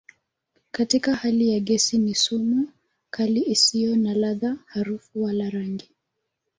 Katika hali ya gesi ni sumu kali isiyo na ladha, harufu wala rangi.